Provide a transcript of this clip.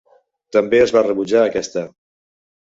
També es va rebutjar aquesta.